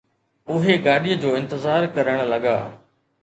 اهي گاڏيءَ جو انتظار ڪرڻ لڳا